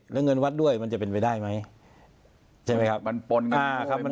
แล้วเงินวัดด้วยมันจะเป็นไปได้ไหมใช่ไหมครับ